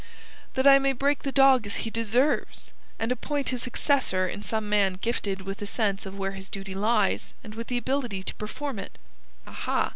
"That I may break the dog as he deserves, and appoint his successor in some man gifted with a sense of where his duty lies, and with the ability to perform it." "Aha!